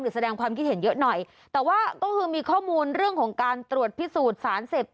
แสดงความคิดเห็นเยอะหน่อยแต่ว่าก็คือมีข้อมูลเรื่องของการตรวจพิสูจน์สารเสพ